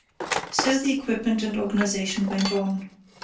So the equipment and organization went on.